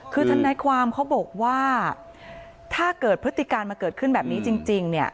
คือทนายความเขาบอกว่าถ้าเกิดพฤติการมาเกิดขึ้นแบบนี้จริงเนี่ย